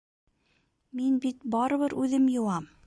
Мин бит барыбер үҙем йыуам.